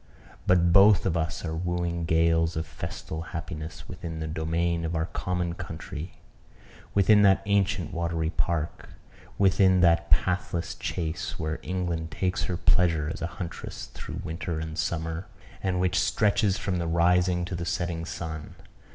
But both of us are wooing gales of festal happiness within the domain of our common country within that ancient watery park within that pathless chase where England takes her pleasure as a huntress through winter and summer, and which stretches from the rising to the setting sun.